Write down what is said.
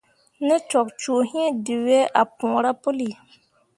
Ne cok cuu hĩĩ, dǝwe ah puura puli.